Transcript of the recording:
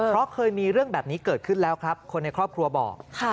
เพราะเคยมีเรื่องแบบนี้เกิดขึ้นแล้วครับคนในครอบครัวบอก